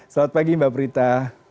selamat pagi mbak prita